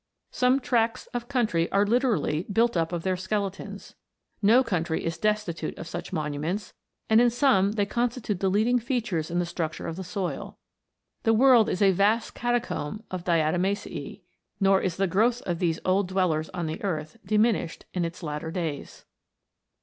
Some tracts of country are literally built up of their skeletons. No country is destitute of such monuments; and in some they constitute the lead ing features in the structure of the soil. The world is a vast catacomb of Diatomacece; nor is the growth of those old dwellers on the earth diminished in its latter days!"